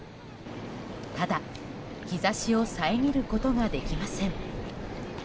ただ、日差しを遮ることができません。